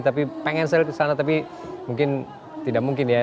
tapi pengen saya kesana tapi mungkin tidak mungkin ya